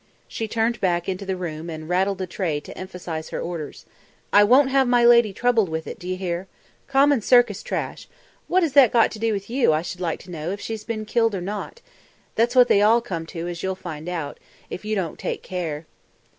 She turned back into the room and rattled the tray to emphasise her orders. "I won't have my lady troubled with it, d'you hear? Common circus trash! what has it got to do with you, I should like to know, if she's been killed or not? That's what they all come to, as you'll find out, if you don't take care."